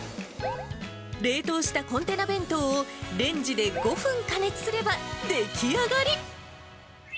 冷凍したコンテナ弁当をレンジで５分加熱すれば出来上がり。